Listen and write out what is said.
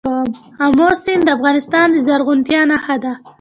آمو سیند د افغانستان د زرغونتیا نښه ده.